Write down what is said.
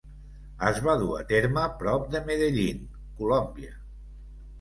Es va dur a terme prop de Medellín, Colòmbia.